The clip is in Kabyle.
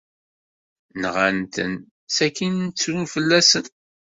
Nɣan-ten, sakin ttrun fell-asen.